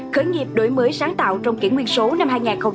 khởi nghiệp đổi mới sáng tạo trong kiển nguyên số năm hai nghìn một mươi tám